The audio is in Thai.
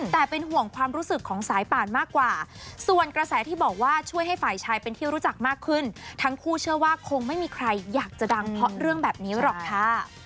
แต่เป็นห่วงความรู้สึกของสายป่านมากกว่าส่วนกระแสที่บอกว่าช่วยให้ฝ่ายชายเป็นที่รู้จักมากขึ้นทั้งคู่เชื่อว่าคงไม่มีใครอยากจะดังเพราะเรื่องแบบนี้หรอกค่ะ